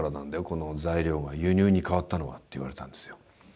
この材料が輸入に変わったのは」って言われたんですよ。